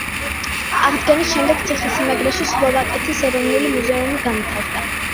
აღდგენის შემდეგ ციხესიმაგრეში სლოვაკეთის ეროვნული მუზეუმი განთავსდა.